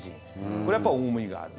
これはやっぱり重みがある。